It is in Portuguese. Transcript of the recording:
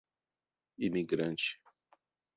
Imigrante